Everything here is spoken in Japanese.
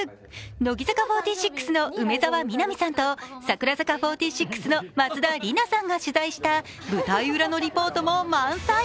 乃木坂４６の梅澤美波さんと櫻坂４６・松田里奈さんが取材した舞台裏のリポートも満載。